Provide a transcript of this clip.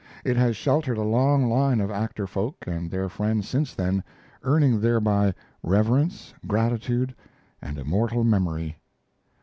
It has sheltered a long line of actor folk and their friends since then, earning thereby reverence, gratitude, and immortal memory.